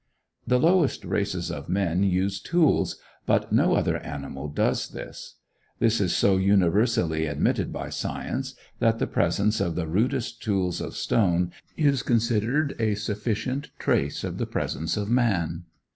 The lowest races of men use tools, but no other animal does this. This is so universally admitted by science that the presence of the rudest tools of stone is considered a sufficient trace of the presence of man.